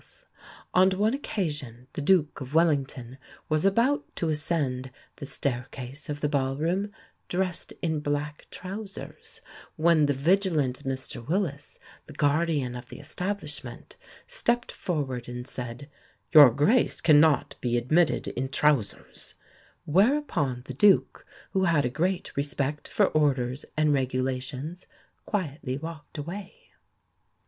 _ On one occasion, the Duke of Wellington was about to ascend the staircase of the ballroom, dressed in black trousers, when the vigilant Mr Willis, the guardian of the establishment, stepped forward and said, "Your Grace cannot be admitted in trousers," whereupon the Duke, who had a great respect for orders and regulations, quietly walked away.